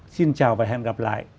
xin chào và hẹn gặp lại